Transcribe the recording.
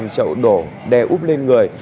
chậu đổ đe úp lên người